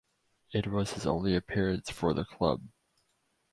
It was his only appearance for the club.